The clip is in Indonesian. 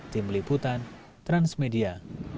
tim liputan transmedia